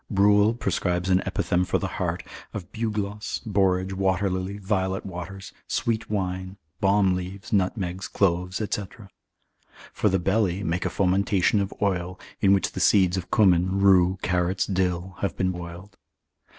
Bruel prescribes an epithem for the heart, of bugloss, borage, water lily, violet waters, sweet wine, balm leaves, nutmegs, cloves, &c. For the belly, make a fomentation of oil, in which the seeds of cumin, rue, carrots, dill, have been boiled.